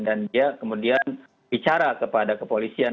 dan dia kemudian bicara kepada kepolisian